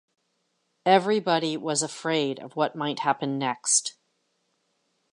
Everybody was afraid of what might happen next.